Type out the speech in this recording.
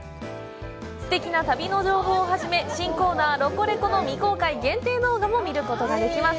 すてきな旅の情報を初め新コーナー「ロコレコ！」の未公開限定動画も見ることができます！